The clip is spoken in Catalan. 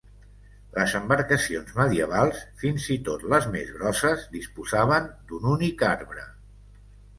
Les embarcacions medievals, fins i tot les més grosses, disposaven d'un únic arbre.